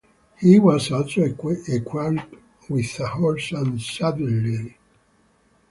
He was also equipped with a horse and saddlery.